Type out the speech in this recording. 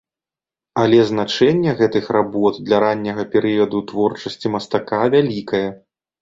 Але значэнне гэтых работ для ранняга перыяду творчасці мастака вялікае.